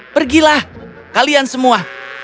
pergilah kalian semua